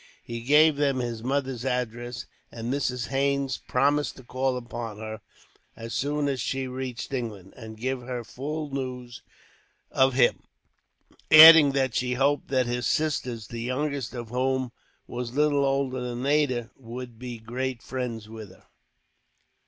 He gave them his mother's address; and Mrs. Haines promised to call upon her, as soon as she reached England, and give her full news of him; adding that she hoped that his sisters, the youngest of whom was little older than Ada, would be great friends with her.